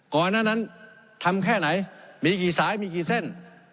ก่อนหน้านั้นทำแค่ไหนมีกี่สายมีกี่เส้น